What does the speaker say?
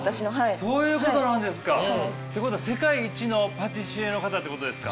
そういうことなんですか。ということは世界一のパティシエの方ってことですか？